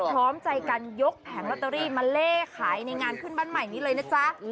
พร้อมใจกันยกแผงลอตเตอรี่มาเล่ขายในงานขึ้นบ้านใหม่นี้เลยนะจ๊ะ